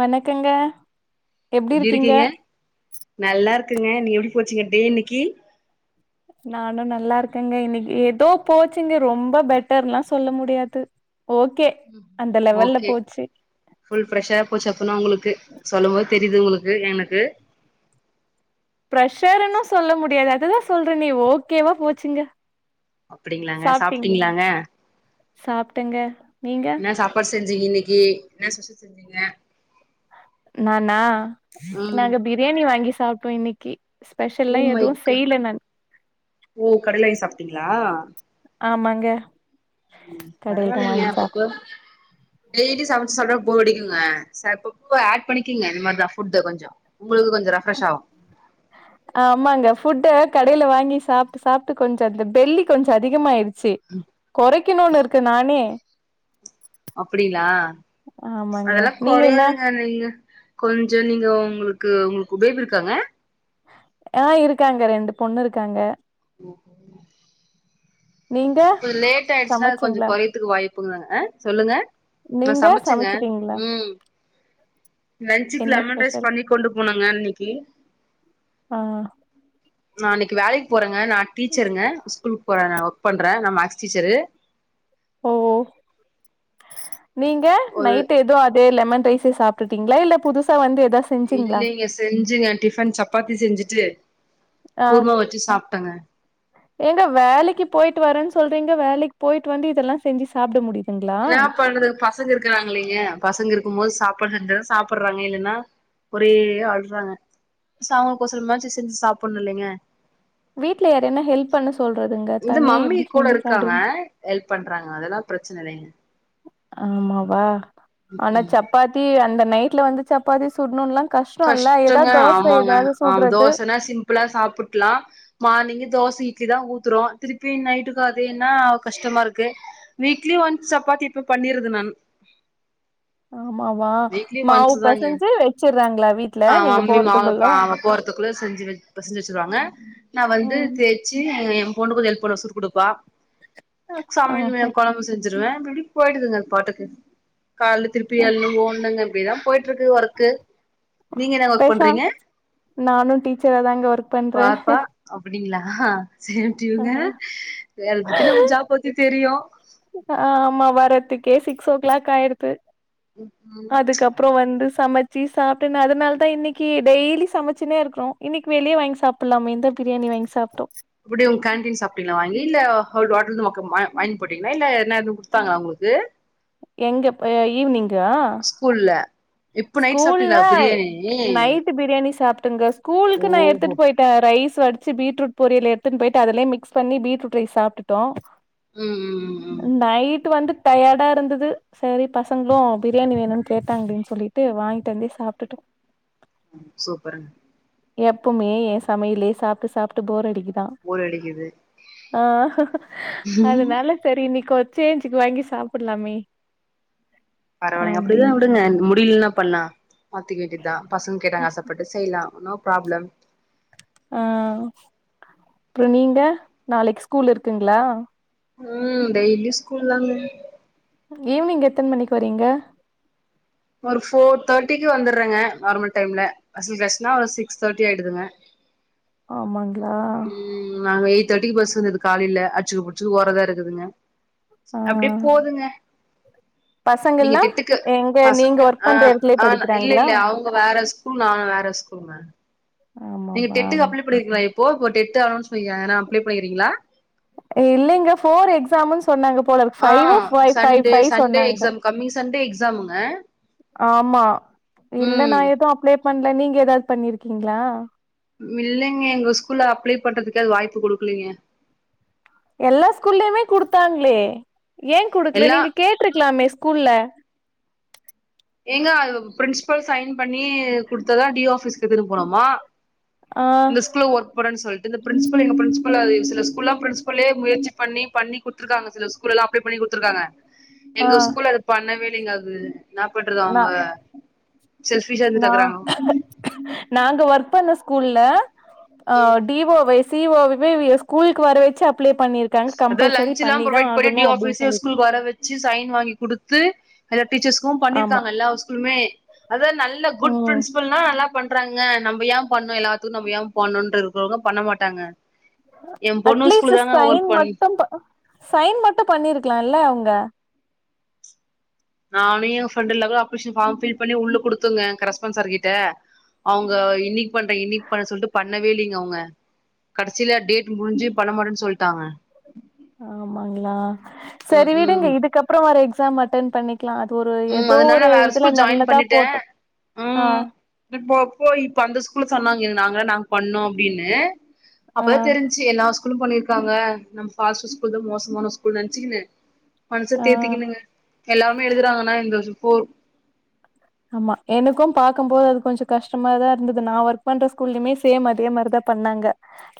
வணக்கங்க எப்டி இருக்கீங்க நல்லா இருக்குங்க நீ எப்டி போச்சீங்க டே இன்க்கி நானு நல்லா இருக்கேங்க இன்னைக்கி ஏதோ போச்சுங்க ரொம்ப பெட்டர்ல்லா சொல்ல முடியாது ஓகே ம் அந்த லெவல்ல ஓகே போச்சு ஃபுல் ஃப்ரெஷ்ஷா போச்சு அப்புன்னா உங்களுக்கு சொல்லும் போது தெரியுது உங்களுக்கு எனக்கு பிரெஷர்ன்னு சொல்ல முடியாது அததுதா சொல்றேனே ஓகேவா போச்சுங்க அப்டிங்களாங்க சாப்பிட்டீங்களா சாப்ட்டீங்களாங்க சாப்பிட்டங்க நீங்க ப்ப செஞ்சிங்க இன்னைக்கி என்ன ஸ்பெஷல் செஞ்சிங்க நானா ம் நாங்க பிரியாணி வாங்கி சாப்பிட்டோ இன்னைக்கி ஓ மை கா ஓ கடல வாங்கி சாப்பிட்டீங்களா ஆமாங்க ம் கடையில பரவாயில்லைங்க வாங்கி அப்பப்போ சாப்ட்டோ டெய்லி சமைச்சு சாப்ட போர் அடிக்குங்க சப்பப்ப ஆட் பண்ணிக்கங்க இந்த மாரிதா ஃபுட்டு் கொஞ்சோ உங்களுக்கு கொஞ்சோ ரெப்ஃப்ரெஷ் ஆகு [unintelligible] ஆமாங்க ஃபுட்டு கடையில வாங்கி சாப்பிட்டு சாப்பிட்டு கொஞ்ச அந்த பெல்லி கொஞ்ச அதிகமயி ச்சு கொறைக்கணுன்னு இருக்கு நானே அப்டிங்களா ஆமாங்க அதெல்லா நீங்க என்ன கொறையாதீங்க நீங்க கொஞ்ச நீங்க உங்களுக்கு உங்களுக்கு பேபி இருக்காங்க ஆ இருக்காங்க ரெண்டு பொண்ணு இருக்காங்க ம் நீங்க கொஞ்சம் லேட் ஆயிடுச்சுன்னா அது கொஞ்ச சமைச்சீங்களா கொறதுக்கு வாய்ப்புங்க ஆ சொல்லுங்க நா நீங்க சமச்சங்க சமைச்சிட்டீங்களா ம் லன்சுக்கு என்ன லெமன் ரைஸ் ஸ்பெஷல் பண்ணி கொண்டு போனுங்க இன்னைக்கி ஆ நா இன்னைக்கி வேலைக்கு போறேங்க நா டீச்சருங்க ஸ்கூலுக்கு போறே நா ஒ ர்க் பண்றே நா மேக்ஸ் டீச்சரு ஓ நீங்க ஒரு நைட்டு எதோ அதே லெமன் ரைஸ் சே சாப்ட்டுட்டீங்ளா இல்ல புதுசா வந்து எதாச் இல்லைங்க செஞ்சுங்க டிஃபன் சப்பாத்தி செஞ்சுட்டு ஆ கூர்மா வெச்சு சாப்ட்டங்க ஏங்க வேலைக்கிப் போயிட்டு வரேன் சொல்றீங்க வேலைக் போயிட்டு வந்து இதெல்லா செஞ்சி சாப்ட முடித் என்னாப் பண்றதுங்க பசங்க இருக்கிறாங்க இல்லைங்க பசங்க இருக்கும்மோது சாப்பாடு செஞ்சாதா சாப்பர்றாங்க இல்லனா ஒரே அழ்றாங்க சே அவுங்கள கோசறமாச்சி செஞ்சி சாப்புன்னு இல்லைங்க வீட்ல யாரையனா ஹெல்ப் பண்ண சொல்றதுங்க இந்த தனியா மம்மி எப்டி கூட செஞ்சி இருக்காங்க சாப்டுவிங்க ஹெல்ப் பண்றாங்க அதெல்லாப் பிரச்சன இலைங்க ஆமாவா ஆனா ம் சப்பாத்தி அந்த நைட்ல வந்து சப்பாத்தி சுட்னுன்லாங் கஷ்டோ இல்ல கஷ்டங்க எதாவ் தோச எதாது சுட்றது புலா சாப்புட்லா மார்னிங்கு தோச இட்லிதா ஊத்துரோ திருப்பி நைட்டுக்கு அதேன்னா கஷ்டமாருக்கு வீக்லி ஒன் சப்பாத்தி இப்ப பண்ணிர்ருது நான் ஆமாவா வீக்லி மாவு ஒன்ஸுதாங்க பெசஞ்சு வச்சிர்றாங்களா வீட்ல ஆ நீங்க மம் போறதுக்குள்ள [unintelligible] அவப் போற துக்குள்ள செஞ்சி வெச் பெசஞ்சி வெச்சிருவாங்க நா வந்து ம் தேச்சி எம் பொண்ணு கொஞ்சோ ஹெல்ப் பண்ணு சுட்டுக் குடுப்பா அ சமையல் வே ஆஹா கொழம்பு செஞ்சிருவே இப்டி இப்டி போயிடுதுங்க அது பாட்டுக்கு கால்லு திருப்பி அ எழ்னு ஓட்ணுங்க இப்டியேதாம் போயிட்ருக்கு ஒர்க்கு நீங்க என்னங்க ஒர்க் பேசா பண்றீங்க நானு டீச்சரா தாங்க ஒர்க் பண்றே பாப்பா அப்பிடிங்ளா சேம் டூயுங்க வேல்ப் பத்தி நம்ம ஜாப் பத்தி தெரியு ஆமா வரதுக்கே சிக்ஸ் ஓக் கிளாக் ஆயிருத்து ம் அதுக்கப் ப்றோ வந்து சமச்சி சாப்ட்டு நா அதனால்தா இன்னிக்கி டெய்லி சமச்சுனே இருக்றோ இன்னிக் வெளிய வாய்ங் சாப்புல்லாமேன்தா பிரியாணி வாய்ங் சாப்ட்டோ அப்டி உங்க கேன்டீன் சாப்ட்டீங்ளா வாங்கி இல்ல [unintelligible] வாய்ங் போட்டீங்ளா இல்ல என்னா எதும் குடுத் தாங்ளா உங்ளுக்கு எங்கப் அ ஈவுனிங்கா ஸ்கூல்ல இப்ப நைட் சாப்ட்டீங்ளா பிரியாணி டு பிரியாணி சாப்ட்டேங்க ஸ்கூலுக்கு நா ஓஹோ எடுத்துட்டு போய்ட் ட்ட ரைஸ் வடிச்சி பீட்ரூட் பொரியல் எடுத்துன் போய்ட்டு அதலே மிக்ஸ் பண்ணி பீட்ருட் ரைஸ் சாப்டுட்டோ ம் ம் ம் நைட்டு வந்துட் டயேடா இருந்தது சேரி பசங்ளு பிரியாணி வேணுன் கேட்டாங்டே சொல்லிட்டு வாயின்ட் வந்தே சாப்டுட்டோ ம் சூப்பருங்க எப்போமே எ சமையலே சாப்ட்டு சாப் டு போரடிக்குதா போர் அடிக்குது அ அதனால சரி இன்னைக்கி ஒரு சேஞ்சுக்கு வாங்கி சாப்புட்லாமே பரவாலைங்க அப்டிதா விடுங்கன் முடில்னாப் பண்லா பாத்திக வெக்கித்தா பசங்க கேட்டாங்க ஆசப்பட்டு செய்லா நோ ப்ராப்ளம் அ அப்றோ நீங்க நாளைக்கு ஸ்கூல் இருக்குங்ளா ம் டெய்லி ஸ்கூல்தாங்க ஈவினிங் எத்தன் மணிக்கி வரீங்க ஒரு ஃபோர் தேர்ட்டிக்கு வந்துர்றேங்க நார்மல் டைம்ல அசல் கிளாஸ்னா ஒரு சிக்ஸ் தேர்ட்டி ஆயிடுதுங்க ஆமாங்ளா ம் நாங்க எயிட் தேர்ட்டிக்கு பஸ் வந்துது காலைல அட்ச்சுக புட்ச்சுக ஓர்றதா இருகுதுங்க அப்டியே போதுங்க பசங்க நீங்க எல்லா டெட்டுக்கு பசங்க ஆ ஆ இல்ல இல்ல அவுங்க வேற ஸ்கூல் நா வேற ஸ்கூல்ங்க நீங்க ஆமாவா டெட்டுக்கு அப்ளை பண்ணிருக்கீங்ளா இப்போ டெட் அனௌன்ஸ் பண்ணியிருக்காங்க யாருன்னா அப்ளை பண்ணிருக்கீங்ளா இல்லீங்க போர் எக்ஸாம்ன்னு சொன்னாங்க போல ஆ ஃபைவ்வோ ஃபைவ் சண்டே ஃபைவ் சண்டே சொன்னாங்க எக்ஸாம் கம்மிங் சண்டே எக்ஸாமுங்க ஆமா இல்ல நா ம் ஏதுவு அப்ளே பண்ணல நீங்க ஏதாவது பண்ணி இருக்கீங்ளா இல்லேங்க எங்க ஸ்கூல்ல அப்ளே பண்றதுக்கா வாய்ப்பு குடுக்கலீங்க எல்லா ஸ்கூல்லயுமே குடுத்தாங்ளே ஏ குடுக்கல எல்லா நீங்க கேட்ருக்கலாமே ஸ்கூல்ல ஏங்க அது பிரின்ஸிபல் சைன் பண்ணி குடுத்ததா டி ஆஃபிஸ்கு எடுத்துட்டு போனுமா ஆ ஸ்கூல்ல ஒர்க் பண்ணேனு சொல்ட்டு இந்த ப்ரின்ஸ்பில் இந்த ப்ரின்ஸ் பில் அது சில ஸ்கூல்ல ப்ரின்ஸ்பெல்லே முயற்சி பண்ணி பண்ணி கு குடுத்துருக்காக சில ஸ்கூல்லா எல்லா அப்ளே பண்ணி குடுத்துருக்காங்க ஆ எங்க ஸ்கூல்ல அது பண்ணவே இல்லிங்க அது என்னா பண்றது நா அவுங்க நா நாங்க ஒர்க் பண்ண ஸ்கூல்ல ஆ டி ஓ வ சி ஓ வெ ஸ்கூலுக்கு வர வச்சு அப்ளே பண்ணிருக் அத லச்ல்லா புரோவெய்ட் பண்ணி டி ஓ ஆஃபிஸே சொல்லி ஸ்கூலுக்கு வர வச்சு சைன் வாங்கி குடுத்து எல்லா டீச்சர்ஸ்க்கு ஆமா பண்ணிருக்காங்க எல்லா ஸ்கூலுமே அத நல்ல குட் ம் பிரின்சிபல்னா நல்லா பண் அப்பறங்க நம்ம ஏ பண்ணனு எல்லாத்துக்கு நம்ம ஏ பண்ணனுன்னு இருக்கவங்க பண்ண மாட்டாங்க எ பொண்ணு அட்லீஸ்ட் ஸ்கூல்லதாங்க சைன் மட்டும் சைன் மட்டும் பண்ணிருக்கலால்ல அவுங்க நானு எ friend Latha application form fill பண்ணி உள்ள குடுத்துங்க கரஸ்பான்ஸ் சார்கிட்ட அவுங்க இன்னைக்கு பண்றே இன்னைக்கு பண்றே சொல்லிட்டு பண்ணவே இல்லைங்க அவுங்க கடைசியல டேட் முடிஞ்சு பண்ணமாட்டேன்னு சொல்லிட்டாங்க ஆமாங்களா ம் சரி விடுங்க ம் இதுக்கு அப்பறோ வர எக்ஸாம் அட்டன் பண்ணி ஒரு ம் ஏதோ அதனால நா ஒரு வேற இதுல ஸ்கூல் ஜாயின் நல்லதா போட்டு ஆ ப்ப போய் இப்ப அந்த ஸ்கூல்ல சொன்னாங்க இது நாங்கள நாங்க பண்ணோ அப்டின்னு ஆ அப்பதா தெரிஞ்சு எல்லா ஸ்கூலு பண்ணி இருக்காங்க நம்ம ஸ்கூல் தா மோசமான ஸ்கூல்னு நெனச்சுகினு மனச ஆ தேத்துக்கணுங்க எல்லாமே எழுதுறாங்கன்னா இந்த வருஷ போரு ஆமா எனக்கு பாக்கும்போது அது கொஞ்சோ கஷ்டமா தா இருந்தது நா ஒர்க் பண்ற ஸ்கூல்லயுமே சேம் அதே மாதிரிதா பண்ணாங்க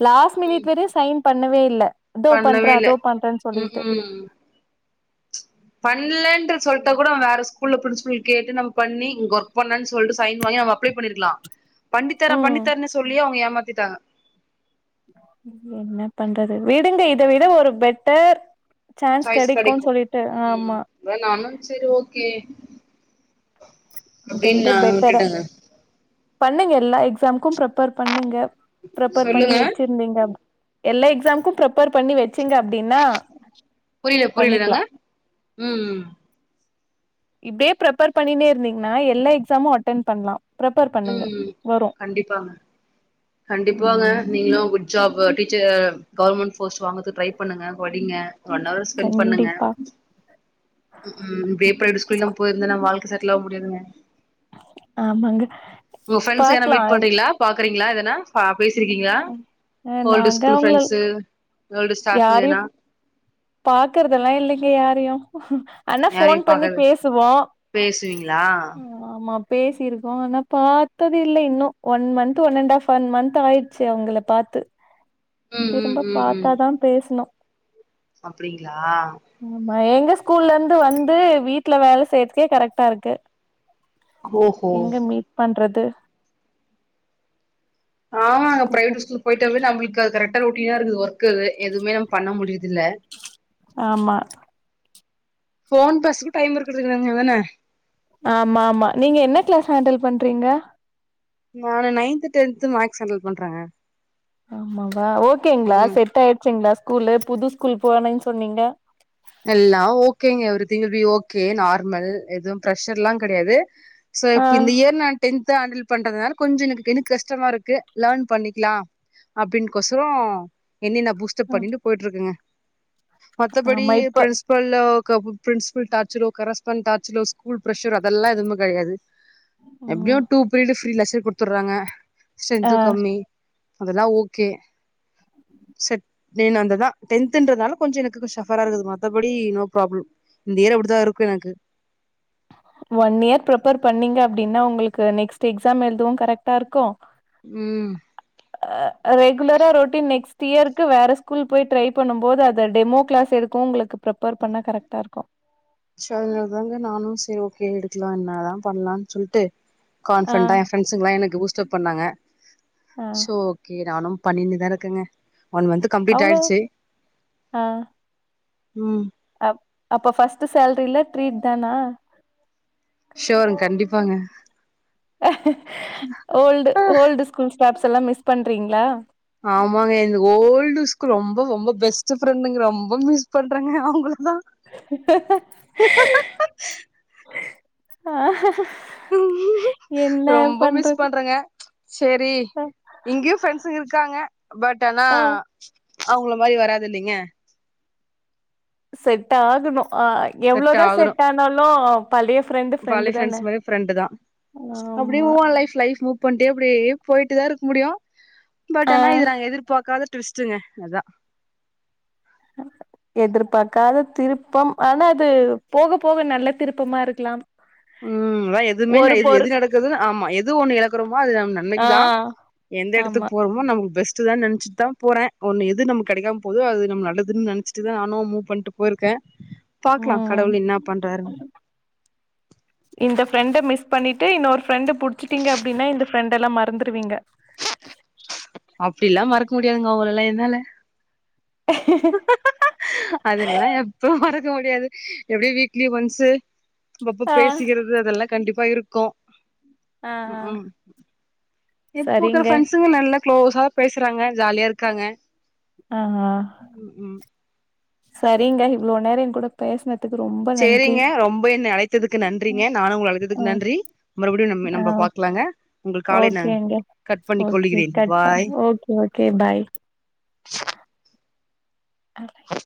லாஸ்ட் மினிட் வரையு சைன் பண்ணவே இல்ல இதோ பண்றே பண்ணவே இல்ல அதோ பண்றேனு ம் சொல்லிட்டு பண்ணலேன்று சொல்ட்டா கூட வேற ஸ்கூல்ல பிரின்சிபல் கேட்டு நம்ம பண்ணி இங்க ஒர்க் பண்ணனு சொல்ட்டு சைன் வாங்கி நம்ம அப்ளே பண்ணிருக்கலா பண்டித்தறே ம் பண்ணித்தறேன்னு சொல்லியே அவுங்க ஏமாத்திட்டாங்க என்ன பண்றது விடுங்க இத விட ஒரு பெட்டர் சான்ஸு சாய்ஸ் கெடைக்குன் கெடைக்கு சொல்லிட்டு ம் ஆமா நானு சரி ஓகே இத அப்டின் விட நா பெட்டரா விட்டுட்டேங்க பண்ணுங்க எல்லா எக்ஸாம்கும் பிரப்பர் பண்ணுங்க பிரப்பர் பண்ணி சொல்லுங்க வச்சு ங்க எல்லா எக்ஸாம்கும் பிரப்பர் பண்ணி வச்சீங்க அப்டின்னா பண்ணிக்கலா உம் உம் இப்பயே பிரப்பர் பண்ணினே இருந்தீங்கன்னா எல்லா எக்ஸாமு அட்டென் பண்லா பிரப்பர் பண்ணுங்க ம் ம் வரு கண்டிப்பாங்க கண்டிப்பாங்க ம் நீங்களு அப்டி ஜாப்பு டீச்சர் கவர்மெண்ட் போஸ்ட்டு வாங்கது ட்ரை பண்ணுங்க படிங்க ஒன் அவர் ஸ்பென் பண்ணுங்க கண்டிப்பா ம் க்கும் இப்டியே ப்ரைவேட் ஸ்கூல்லா போயிருந்தனா வாழ்க்கை செட்டல் ஆக முடியாதுங்க ஆமாங்க உங்க ஃப்ரெண்ட்ஸ் எதனா பாக்கலா மீட் பண்றீங்ளா பாக்குறீங்களா எதனா ஆ பேசிருக்கிங்ளா அ ஓல்டு நாங்க ஸ்கூல் அவங்கள ஃப்ரெண்ட்சு ஓல்டு ஸ்டாஃபுங்க யாரையு எதனா பாக்குறதெல்லா இல்லைங்க யாரையு ஆனா ஃபோன் யாரையு பண்ணி பாக்கறது பேசுவோ பேசுவீங்களா ம் ஆமா பேசியிருக்கோ ஆனா பாத்தது இல்ல இன்னு one month one and half one month ஆயி ச்சு அவங்கள பாத்து ம் ம் திரும்ப பாத்தாதா பேசுணு அப்டிங்ளா ஆமா எங்க ஸ்கூல்லருந்து வந்து வீட்ல வேல செய்றதுக்கே கரெக்ட்டா இருக்கு ஓஹோ எங்க மீட் பண்றது ஆமா அந்த பிரைவேட் ஸ்கூல் போயிட்டாவே நம்ளுக்கு அது கரக்டா ரொட்டீனா இருந்துக்கு க்குது எதுமே நம்ம பண்ண முடியுது இல்ல ஆமா ஃபோன் பேசுறக்கு கூட டைம் இருக்குறது இல்லங்க தான ஆமா ஆமா நீங்க என்ன கிளாஸ் ஹண்டில் பண்றீங்க நானு நயன்த்து டென்து மேக்ஸ் கேண்டில் பண்றேங்க ஆமாவா ஓகேங்களா ம் செட் ஆயிடுச்சுங்களா ஸ்கூலு புது ஸ்கூல் போனேன் சொன்னீங்க எல்லா ஓகேங்க everything will be okay normal எதுவு பிர்ரஷர்லா கெடையாது சோ ஆ இப்ப இந்த இயர் நா டென்த்து ஹேண்டில் பண்றதுனால கொஞ்சோ எனக் எனக்கு கஷ்டமா இருக்கு லேர்ன் பண்ணிக்லா அப்டின் க்கொசரோ என்னே நா பூஸ்ட்டப் ஆ, பண்ணிட்டு போயிட்டு இருக்கேங்க மத்தபடி ஆமா இப்ப ஸ்பிரில்லோ க பிரின்ஸ்பில் டார்ச்சலோ கரஸ்பாண்ட் டார்ச்சலோ ஸ்கூல் பிர்ஷரோ அதெல்லா எப்பவுமே கெடையாது எப்டியு ம் டூ பீரியடு ஃரீ லெசர் குடுத்துர்றாங்க ஆ ஸ்ட்டென்த்து கம்மி அதெல்லா ஓகே செட் [inaudible] அந்ததா டென்துன்றனால கொஞ்சோ எனக்கு சஃபரா இருக்குது மேம் மத்தபடி நோ ப்ராப்ளம் இந்த இயர் அப்டித்தா இருக்கு எனக்கு ஒன் இயர் ப்ரிப்பர் பண்ணீங்க அப்டின்னா உங்குளுக்கு நெக்ஸ்ட் எக்ஸாம் எழுதவு கரெக்டா இருக்கு ம் [unintelligible] அ ரெகுலரா ரொட்டன் நெக்ஸ்ட் இயருக்கு வேற ஸ்கூல் போய் ட்ரை பண்ணும் போது அத டெமோ கிளாஸ் எடுக்கு உங்குளுக்கு பெப்பர் பண்ணா கரெக்ட்டா இருக்கு சொன்னதுலேந்து நானு செரி ஓகே எடுக்கலா என்னதா பண்ணலான் சொல்ட்டு ஆ கான்ஃபிடன்டா எ ஃப்ரெண்ட்சுங்களா எனக்கு பூஸ்ட்டப் பண்ணாங்க ஆ சோ ஓகே நானு பண்ணினு தா இருக்கங்க ஒன் மந்த்து கம்ப்ளீட் அவ்ளோ ஆயிடுச்சு ஆ ம் அப் அப்ப ஃபர்ஸ்ட்டு சேல்ரில ட்ரீட் தானா ஷூவர்ங்க கண்டிப்பாங்க ஆஹ ச ஓல்டு ஓல்டு ஸ்கூல் ஸ்டாஃப்ஸ் எல்லா மிஸ் பண்றீங்ளா ஆமாங்க எ ஓல்டு ஸ்கூல் ரொம்ப ரொம்ப பெஸ்ட் ஃப்ரெண்டுங்க ரொம்ப மிஸ் பண்றாங்க அவங்களதா ஆஹ் ரொம்ப மிஸ் பண்றங்க செரி இங்கியு ஃப்ரெண்ட்ஸுங்க இருக்காங்க பட் ஆனா ஆ அவங்கள மாரி வராது இல்லைங்க செட் ஆகணு ஆ எவ்ளோதா செட் ஆனாலு பழைய ஃப்ரெண்டு ஃப்ரெண்டு பழைய ஃப்ரண்ட்ஸ் தான மாரி ஃப்ரண்டுதா அப்டியே ஆமா மூ ஆன் லைஃப் லைஃப் மூவ் [unintelligible] இப்டி போயிட்டுதா இருக்க முடியு பட் ஆ ஆனா இது நாங்க எதிர்பாக்காத டுவிஸ்ட்டுங்க அதா ஹ எதிர்பாக்காத திருப்பம் ஆனா அது போக போக நல்ல திருப்பமா இருக்கலாம் ம் அதா எதுமே நை ஒரு எது பொரு எது நடக்குதுன்னு ஆமா எது ஒன்னு எழக்குறோமோ அது நம்ம ஆ நன்மைக்குதா எந்த ஆமா எடத்துக்கு போறமோ நமக்கு பெஸ் [unintelligible] நெனச்சிட்டுதா போறே ஒன்னு எது நமக்கு கெடைக்காம போதோ அது நம்ம நல்லதுன்னு நெனச்சிட்டுதா நானு மூவ் பண்ட்டு போயிருக்கே பாக்கலா ம் கடவுள் என்ன பண்றாருன்னு இந்த ஃப்ரெண்ட மிஸ் பண்ணிட்டு இன்னொரு ஃப்ரெண்டு புடிச்சிட்டிங்க அப்டின்னா இந்த ஃப்ரெண்டெல்லா மறந்துருவீங்க அப்டில்லா மறக்க முடியாதுங்க ஒங்கலல்லா என்னால [unintelligible] அதெல்லா எப்பவு மறக்க முடியாது எப்டியு வீக்லி ஒன்ஸ் அப்பபோ ஆ பேசிக்கிறது அதெல்லா கண்டிப்பா இருக்கு ஆ ம் ம் ஆ இப்போ இருக்கிற ஃப்ரெண்ட்ஸுங்க நல்லா க்ளோஸா பேசுறாங்க ஜாலியா இருக்காங்க ஆ ஆ ம் ம் சரிங்க இவ்ளோ நேரோ எங்கூட பேசினதுக்கு ரொம்ப நன்றி சரிங்க ரொம்ப என்னய அழைத்ததுக்கு ம். நன்றிங்க நானு உங்கள ஆ அழைத்ததுக்கு நன்றி மறுபடியு நம்ம ஆ நம்ப பாக்லாங்க உங்கள் காலை நா ஓகேங்க கட் பண்ணி ஓகே கொள்ளுகிறேன் கட் பண் பாய் ஓகே ஓகே பாய் ஹ